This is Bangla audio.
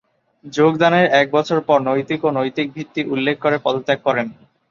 যোগদানের এক বছর পর "নৈতিক ও নৈতিক ভিত্তি" উল্লেখ করে পদত্যাগ করেন।